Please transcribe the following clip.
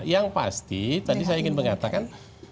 yang pasti tadi saya ingin mengatakan